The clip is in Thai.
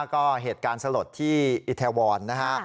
ก็เหตุการณ์สลดที่อิทวรนะฮะ